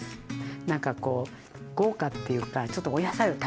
何かこう豪華っていうかちょっとお野菜をたっぷり食べる感じ。